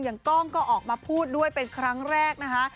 กล้องก็ออกมาพูดด้วยเป็นครั้งแรกนะคะ